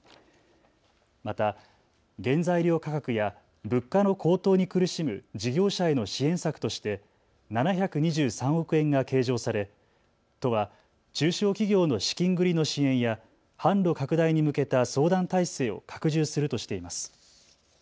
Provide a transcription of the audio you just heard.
また、原材料価格や物価の高騰に苦しむ事業者への支援策として７２３億円が計上され都は中小企業の資金繰りの支援や販路拡大に向けた相談体制を拡充するとしています。